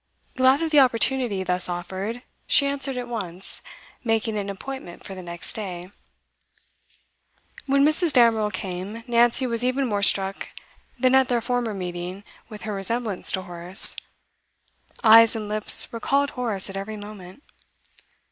Glad of the opportunity thus offered, she answered at once, making an appointment for the next day. When Mrs. Damerel came, Nancy was even more struck than at their former meeting with her resemblance to Horace. Eyes and lips recalled Horace at every moment.